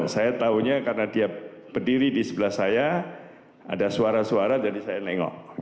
saya tahunya karena dia berdiri di sebelah saya ada suara suara jadi saya nengok